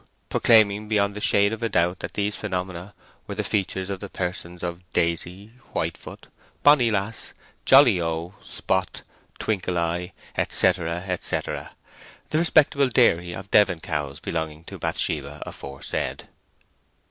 proclaiming beyond the shade of a doubt that these phenomena were the features and persons of Daisy, Whitefoot, Bonny lass, Jolly O, Spot, Twinkle eye, etc., etc.—the respectable dairy of Devon cows belonging to Bathsheba aforesaid.